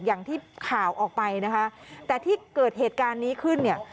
อย่างที่ข่าวออกไปนะคะแต่ที่เกิดเหตุการณ์นี้ขึ้นเนี่ย